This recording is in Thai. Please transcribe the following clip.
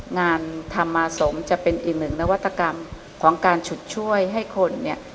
งานธรรมสมจะเป็นอีกหนึ่งนวัตกรรมของการฉุดช่วยให้คนเนี่ย